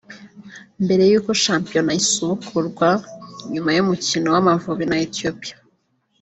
mbere y’uko Shampiona isubukurwa nyuma y’umukino w’Amavubi na Ethiopia